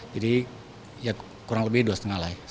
jadi ya kurang lebih dua setengah lah ya